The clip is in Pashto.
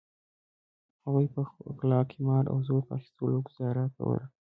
هغوی په غلا قمار او زور په اخیستلو ګوزاره کوله.